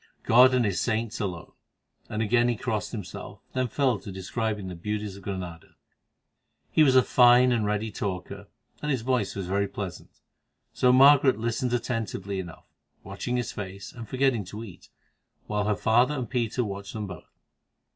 God and His saints alone," and again he crossed himself, then fell to describing the beauties of Granada. He was a fine and ready talker, and his voice was very pleasant, so Margaret listened attentively enough, watching his face, and forgetting to eat, while her father and Peter watched them both.